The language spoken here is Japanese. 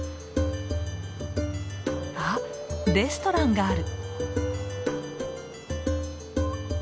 あレストランがある。